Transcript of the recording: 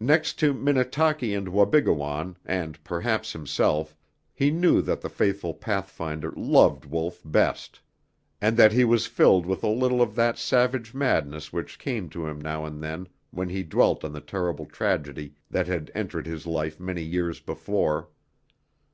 Next to Minnetaki and Wabigoon, and perhaps himself, he knew that the faithful pathfinder loved Wolf best, and that; he was filled with a little of that savage madness which came to him now and then when he dwelt on the terrible tragedy that had entered his life many years before.